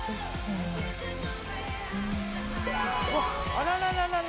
あららららら。